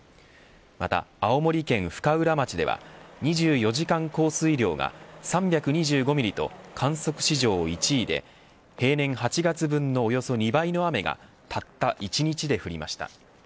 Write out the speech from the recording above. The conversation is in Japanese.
また青森県深浦町では２４時間降水量が３２５ミリと観測史上１位で平年８月分のおよそ２倍の雨がたった１日で降りました。